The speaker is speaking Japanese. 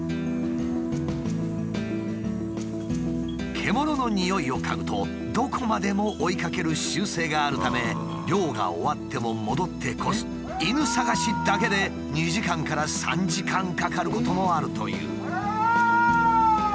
獣のにおいを嗅ぐとどこまでも追いかける習性があるため猟が終わっても戻って来ず犬探しだけで２時間から３時間かかることもあるという。